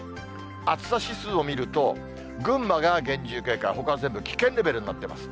暑さ指数を見ると、群馬が厳重警戒、ほかは全部危険レベルになっています。